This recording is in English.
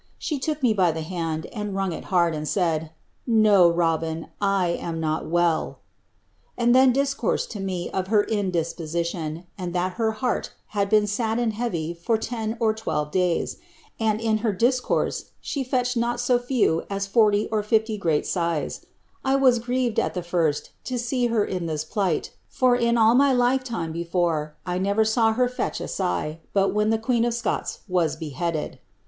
She took me by the hand, and wrung it , e in Life of Carey, tarl of Monroouih BLIIABSTH. 319 hardf mnd said, ^ No, Robin, I am not toell ;' and then discoursed to me cf her indisposition, and that her heart had been sad and heavy for ten or twelve days, and in her discourse she fetched not so few as forty or fifty great sjdis. I was grieved, at the first, to see her in this plight, for in all my lifetime before, I never saw her fetch a sigh, but when the queen of Scots was beheaded.